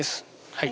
はい